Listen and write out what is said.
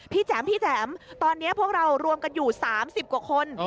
แจ๋มพี่แจ๋มตอนนี้พวกเรารวมกันอยู่๓๐กว่าคน